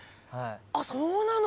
あっそうなの。